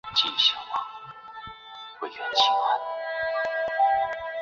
而后者亦选择了出国留学。